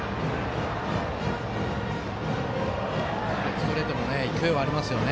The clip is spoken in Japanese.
ストレートの勢いはあります。